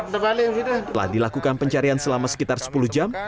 setelah dilakukan pencarian selama sekitar sepuluh jam